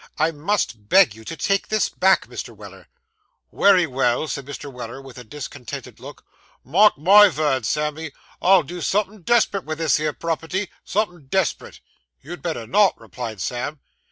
I must beg you to take this back, Mr. Weller.' Wery well,' said Mr. Weller, with a discontented look. 'Mark my vords, Sammy, I'll do somethin' desperate vith this here property; somethin' desperate!' 'You'd better not,' replied Sam.